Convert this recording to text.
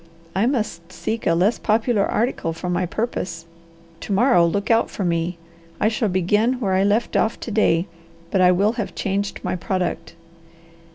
I must seek a less popular article for my purpose. To morrow look out for me. I shall begin where I left off to day, but I will have changed my product."